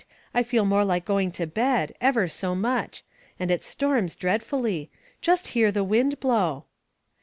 I feel more like going to bed — ever so much ; and it storms dreadfully. Just hear the wind blow."